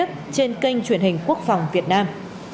trên kênh truyền hình quốc phòng việt nam